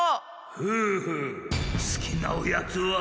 フーフーすきなおやつは？